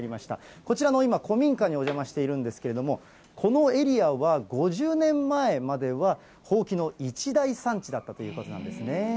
こちらの今、古民家にお邪魔しているんですけれども、このエリアは５０年前までは、ほうきの一大産地だったということなんですね。